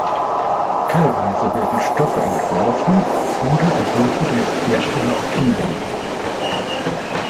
Teilweise werden Stoffe entworfen oder Entwürfe der Hersteller optimiert.